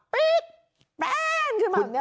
ปี๊ดแป้นขึ้นมาแบบนี้